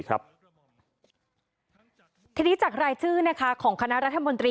ผู้รับสนองพระบรมราชองการนายเศรษฐาทวีสินนายกรัฐมนตรี